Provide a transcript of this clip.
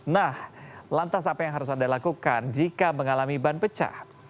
nah lantas apa yang harus anda lakukan jika mengalami ban pecah